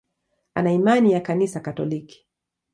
Ana imani ya Kanisa Katoliki.